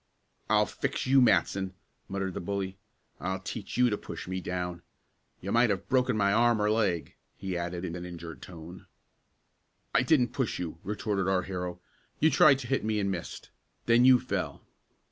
"I'll fix you, Matson!" muttered the bully. "I'll teach you to push me down! You might have broken my arm or leg," he added in an injured tone. "I didn't push you!" retorted our hero. "You tried to hit me and missed. Then you fell."